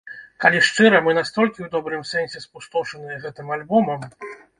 Калі шчыра, мы настолькі ў добрым сэнсе спустошаныя гэтым альбомам!